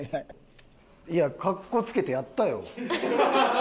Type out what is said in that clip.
いやかっこつけてやったよ。